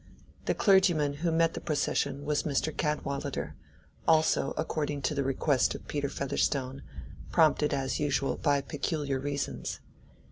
The clergyman who met the procession was Mr. Cadwallader—also according to the request of Peter Featherstone, prompted as usual by peculiar reasons.